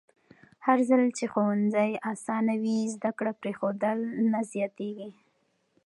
هرځل چې ښوونځي اسانه وي، زده کړه پرېښودل نه زیاتېږي.